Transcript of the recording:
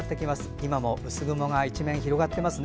今も薄雲が一面広がってますね。